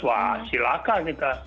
wah silahkan kita